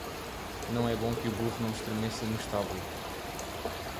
Não é bom que o burro não estremeça no estábulo.